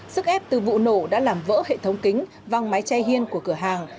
sức ép từ vụ nổ đã làm vỡ hệ thống kính văng máy chay hiên của cửa hàng